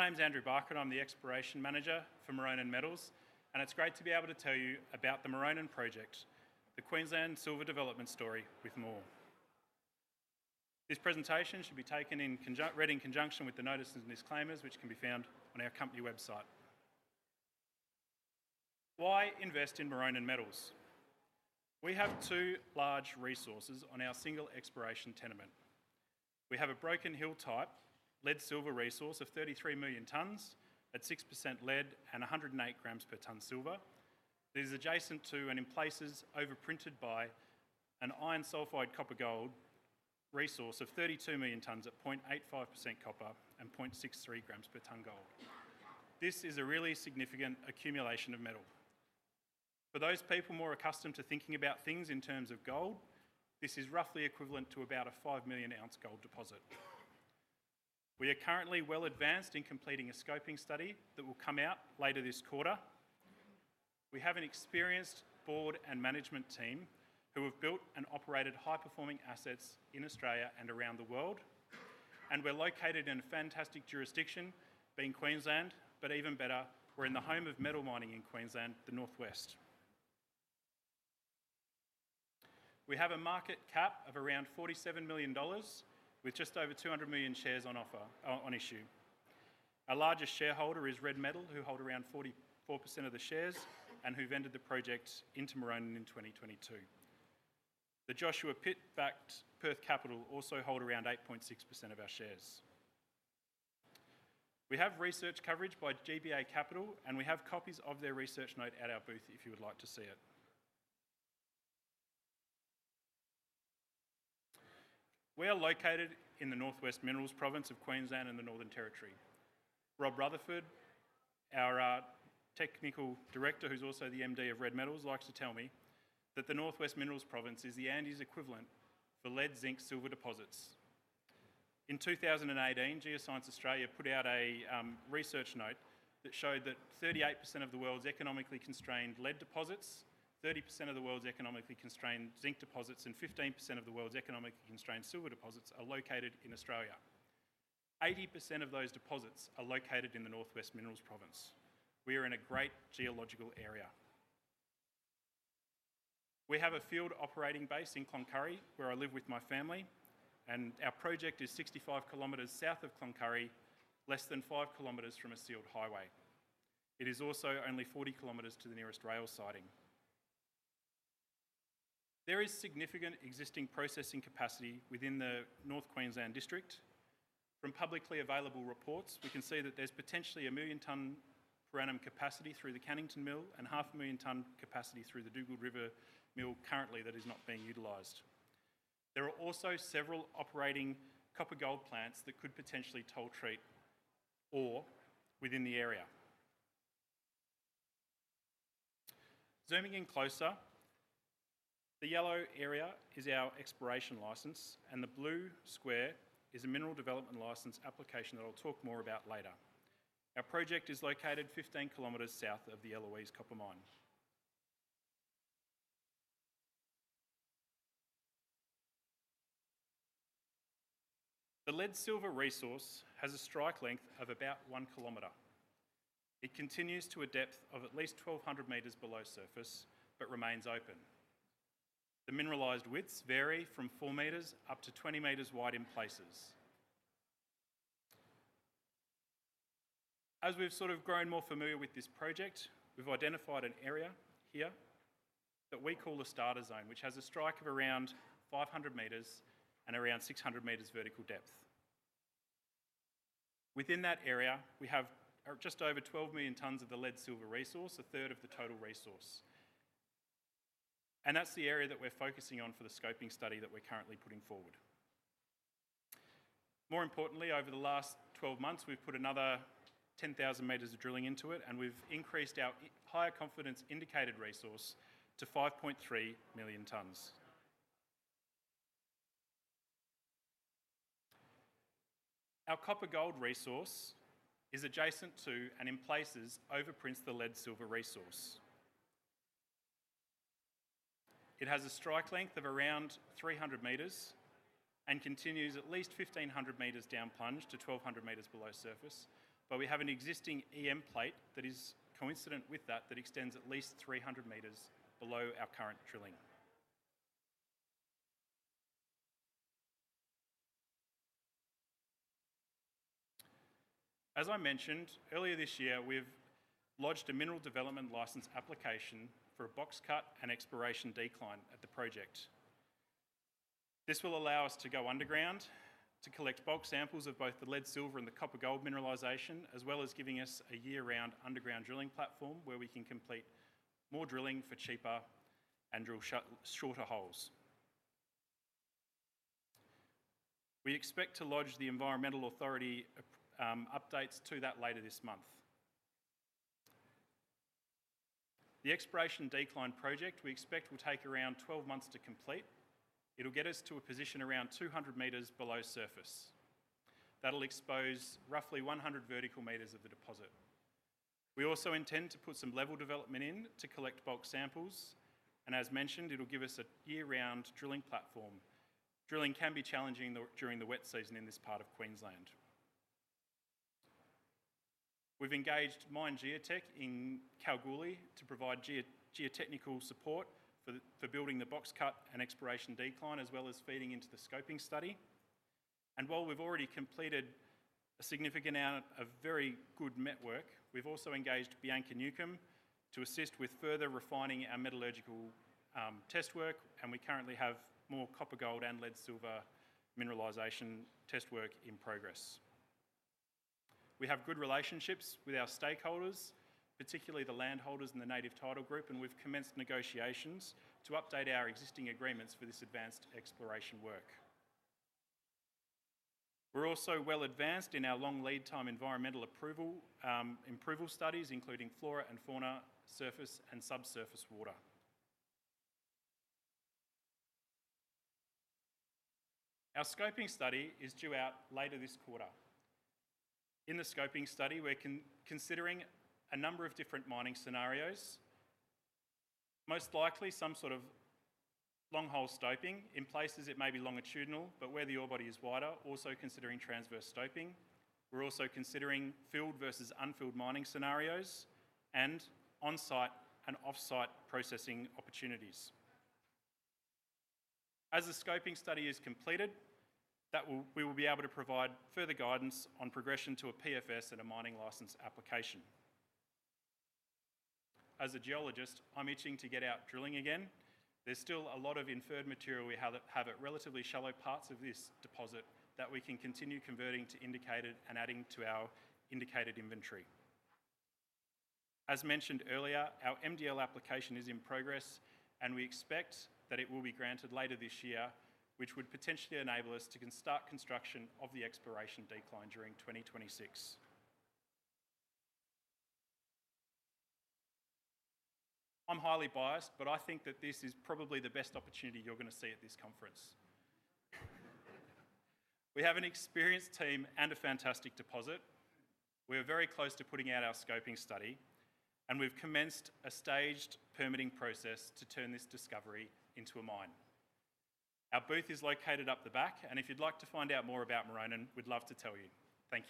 My name is Andrew Barker, and I'm the Exploration Manager for Maronan Metals. It's great to be able to tell you about the Maronan Project, the Queensland silver development story, with more. This presentation should be read in conjunction with the notices and disclaimers, which can be found on our company website. Why invest in Maronan Metals? We have two large resources on our single exploration tenement. We have a Broken Hill-type lead-silver resource of 33 million tons at 6% lead and 108 grams per ton silver. This is adjacent to and in places overprinted by an iron sulfide copper-gold resource of 32 million tons at 0.85% copper and 0.63 grams per ton gold. This is a really significant accumulation of metal. For those people more accustomed to thinking about things in terms of gold, this is roughly equivalent to about a 5-million-ounce gold deposit. We are currently well advanced in completing a scoping study that will come out later this quarter. We have an experienced board and management team who have built and operated high-performing assets in Australia and around the world. We're located in a fantastic jurisdiction, being Queensland. Even better, we're in the home of metal mining in Queensland, the Northwest. We have a market cap of around $47 million, with just over 200 million shares on issue. Our largest shareholder is Red Metal, who hold around 44% of the shares and who vended the project into Maronan in 2022. The Joshua Pitt, Perth Capital, also hold around 8.6% of our shares. We have research coverage by GBA Capital, and we have copies of their research note at our booth if you would like to see it. We are located in the Northwest Minerals Province of Queensland. Rob Rutherford, our Technical Director, who's also the MD of Red Metal, likes to tell me that the Northwest Minerals Province is the Andes equivalent for lead-zinc-silver deposits. In 2018, Geoscience Australia put out a research note that showed that 38% of the world's economically constrained lead deposits, 30% of the world's economically constrained zinc deposits, and 15% of the world's economically constrained silver deposits are located in Australia. 80% of those deposits are located in the Northwest Minerals Province. We are in a great geological area. We have a field operating base in Cloncurry where I live with my family, and our project is 65 km south of Cloncurry, less than 5 km from a sealed highway. It is also only 40 km to the nearest rail siding. There is significant existing processing capacity within the North Queensland district. From publicly available reports, we can see that there's potentially a million ton per annum capacity through the Cannington Mill and half a million ton capacity through the Dugald River, currently that is not being utilized. There are also several operating copper-gold plants that could potentially toll treat ore within the area. Zooming in closer, the yellow area is our exploration license, and the blue square is a Mineral Development License application that I'll talk more about later. Our project is located 15 km south of the Eloise Copper Mine. The lead-silver resource has a strike length of about 1 km. It continues to a depth of at least 1,200 meters below surface but remains open. The mineralized widths vary from 4 meters up to 20 meters wide in places. As we've grown more familiar with this project, we've identified an area here that we call the Starter Zone, which has a strike of around 500 meters and around 600 meters vertical depth. Within that area, we have just over 12 million tons of the lead-silver resource, a third of the total resource. That's the area that we're focusing on for the scoping study that we're currently putting forward. More importantly, over the last 12 months, we've put another 10,000 meters of drilling into it, and we've increased our higher confidence indicated resource to 5.3 million tons. Our copper-gold resource is adjacent to and in places overprints the lead-silver resource. It has a strike length of around 300 meters and continues at least 1,500 meters down plunge to 1,200 meters below surface. We have an existing EM Plate that is coincident with that, that extends at least 300 meters below our current drilling. As I mentioned earlier this year, we have lodged a Mineral Development License application for a Box Cut and Exploration Decline at the project. This will allow us to go underground to collect bulk samples of both the lead-silver and the copper-gold mineralization, as well as giving us a year-round underground drilling platform where we can complete more drilling for cheaper and drill shorter holes. We expect to lodge the Environmental Authority updates to that later this month. The Exploration Decline project we expect will take around 12 months to complete. It'll get us to a position around 200 meters below surface. That'll expose roughly 100 vertical meters of the deposit. We also intend to put some level development in to collect bulk samples. As mentioned, it'll give us a year-round drilling platform. Drilling can be challenging during the wet season in this part of Queensland. We've engaged Mine Geotech in Kalgoorlie to provide geotechnical support for building the Box Cut and Exploration Decline, as well as feeding into the scoping study. While we've already completed a significant amount of very good network, we've also engaged Bianca Newcombe to assist with further refining our metallurgical test work. We currently have more copper-gold and lead-silver mineralization test work in progress. We have good relationships with our stakeholders, particularly the landholders and the native title group, and we've commenced negotiations to update our existing agreements for this advanced exploration work. We're also well advanced in our long lead time environmental approval studies, including flora and fauna, surface and subsurface water. Our scoping study is due out later this quarter. In the scoping study, we're considering a number of different mining scenarios, most likely some sort of Long Hole Stoping. In places it may be longitudinal, but where the ore body is wider, also considering Transverse Stoping. We're also considering filled versus unfilled mining scenarios and on-site and off-site processing opportunities. As the scoping study is completed, we will be able to provide further guidance on progression to a PFS and a mining license application. As a geologist, I'm itching to get out drilling again. There's still a lot of inferred material we have at relatively shallow parts of this deposit that we can continue converting to indicated and adding to our indicated inventory. As mentioned earlier, our MDL application is in progress, and we expect that it will be granted later this year, which would potentially enable us to start construction of the Exploration Decline during 2026. I'm highly biased, but I think that this is probably the best opportunity you're going to see at this conference. We have an experienced team and a fantastic deposit. We are very close to putting out our scoping study, and we've commenced a staged permitting process to turn this discovery into a mine. Our booth is located up the back, and if you'd like to find out more about Maronan, we'd love to tell you. Thank you.